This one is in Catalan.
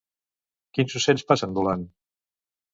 Quins ocells passen volant?